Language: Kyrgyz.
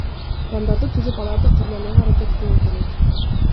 Пландарды түзүп, аларды карманууга аракет кылуу керек.